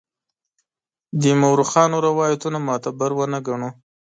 د مورخانو روایتونه معتبر ونه ګڼو.